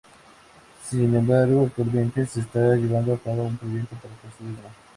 Sin embargo, actualmente se está llevando a cabo un proyecto para construir una.